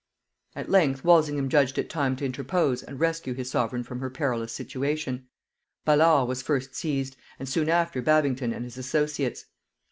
At length Walsingham judged it time to interpose and rescue his sovereign from her perilous situation. Ballard was first seized, and soon after Babington and his associates.